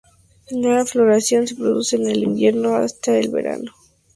La floración se produce en el invierno hasta el verano.